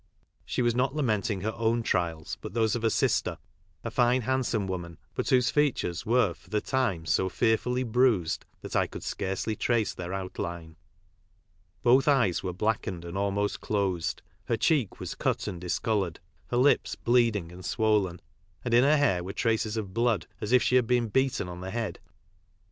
She was not lamenting her own trials, but those of her sister, a fine handsome woman, but whose features were for the time so fearfully bruised that I could scarcely trace their outline. Both eyes were blackened and almost closed, her cheek was cut and discoloured, her lips bleeding and swollen, and in her hair were traces of blood, as if she had* been beaten on the head.